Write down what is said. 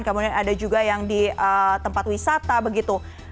kemudian ada juga yang di tempat wisata begitu